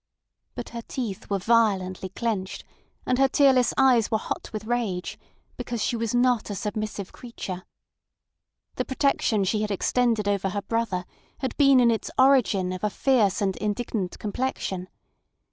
But her teeth were violently clenched, and her tearless eyes were hot with rage, because she was not a submissive creature. The protection she had extended over her brother had been in its origin of a fierce and indignant complexion.